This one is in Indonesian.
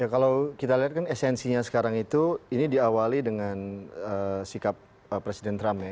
kalau kita lihat kan esensinya sekarang itu ini diawali dengan sikap presiden trump ya